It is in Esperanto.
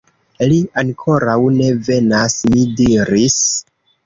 Li ankoraŭ ne venas, mi diris.